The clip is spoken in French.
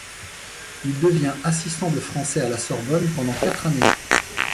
Il devient assistant de français à la Sorbonne pendant quatre années.